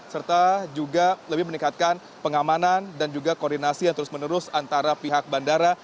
serta juga lebih meningkatkan pengamanan dan juga koordinasi yang terus menerus antara pihak bandara